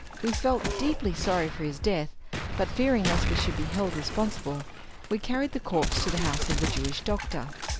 We felt deeply sorry for his death, but fearing lest we should be held responsible, we carried the corpse to the house of the Jewish doctor.